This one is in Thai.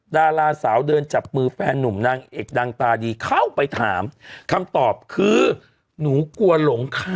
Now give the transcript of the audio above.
ดาราสาวเดินจับมือแฟนนุ่มนางเอกดังตาดีเข้าไปถามคำตอบคือหนูกลัวหลงค่ะ